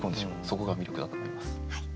そこが魅力だと思います。